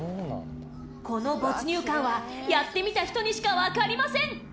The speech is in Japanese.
この没入感はやってみた人にしかわかりません